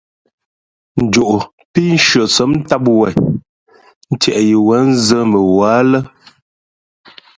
Njoʼ pí nshʉαsǒm ntām wen ntieʼ yi wěn nzᾱ mαwǎ lά.